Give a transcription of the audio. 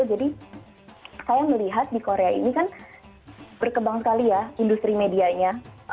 jadi saya melihat di korea ini kan berkembang sekali ya industri medianya